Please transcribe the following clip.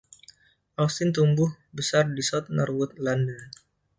Austin tumbuh besar di South Norwood, London.